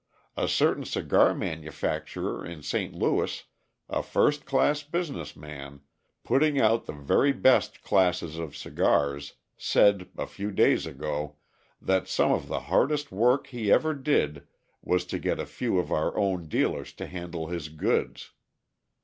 A certain cigar manufacturer in St. Louis, a first class business man, putting out the very best classes of cigars, said, a few days ago, that some of the hardest work he ever did was to get a few of our own dealers to handle his goods.